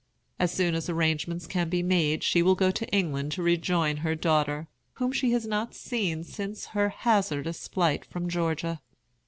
As soon as arrangements can be made she will go to England to rejoin her daughter, whom she has not seen since her hazardous flight from Georgia.